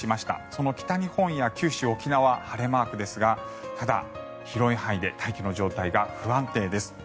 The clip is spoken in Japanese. その北日本や九州、沖縄晴れマークですがただ、広い範囲で大気の状態が不安定です。